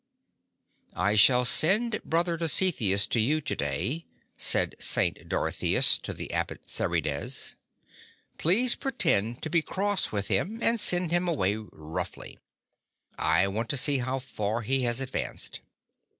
'T shall send Brother Dositheus to you to day," said St. Dorotheas to the Abbot Serides; ''please pretend to be cross with him and send him away roughly. I want to see how far he has ad vanced."